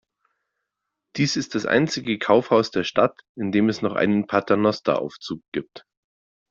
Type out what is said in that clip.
Dies ist das einzige Kaufhaus der Stadt, in dem es noch einen Paternosteraufzug gibt.